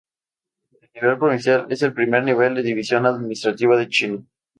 El nivel provincial es el primer nivel de división administrativa de China.